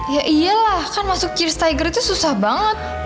ya iyalah kan masuk cheers tiger itu susah banget